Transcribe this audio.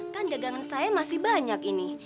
kan dagangan saya masih banyak ini